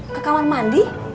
ke kawang mandi